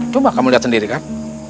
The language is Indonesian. coba kamu lihat sendiri kan